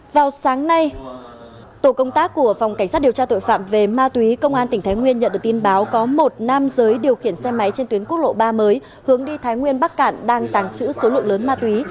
vào sáng nay tổ công tác của phòng cảnh sát điều tra tội phạm về ma túy công an tỉnh thái nguyên nhận được tin báo có một nam giới điều khiển xe máy trên tuyến quốc lộ ba mới hướng đi thái nguyên bắc cạn đang tàng trữ số lượng lớn ma túy